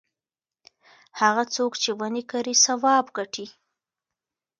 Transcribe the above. هغه څوک چې ونې کري ثواب ګټي.